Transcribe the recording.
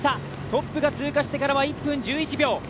トップが通過してからは１分１１秒。